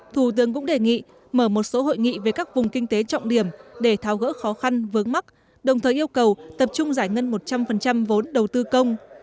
thủ tướng cũng đề nghị mở một số hội nghị về các vùng kinh tế trọng điểm để tháo gỡ khó khăn vướng mắt đồng thời yêu cầu tập trung giải ngân một trăm linh vốn đầu tư công